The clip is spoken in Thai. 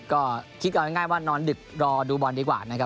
ก็คิดเอาง่ายว่านอนดึกรอดูบอลดีกว่านะครับ